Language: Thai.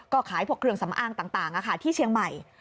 ก็ขายพวกเครื่องสำอางต่างที่เชียงใหม่